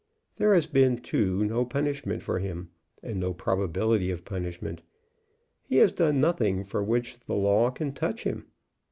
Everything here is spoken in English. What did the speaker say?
There has been, too, no punishment for him, and no probability of punishment. He has done nothing for which the law can touch him.